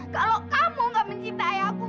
kalau kamu gak mencintai aku